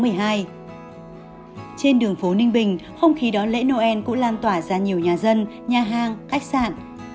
trên đường phố ninh bình hôm khi đó lễ noel cũng lan tỏa ra nhiều nhà dân nhà hàng khách sạn